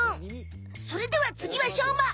それではつぎはしょうま！